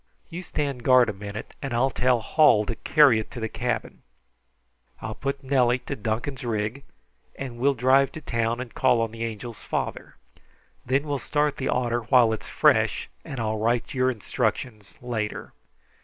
You stand guard a minute and I'll tell Hall to carry it to the cabin. I'll put Nellie to Duncan's rig, and we'll drive to town and call on the Angel's father. Then we'll start the otter while it is fresh, and I'll write your instructions later.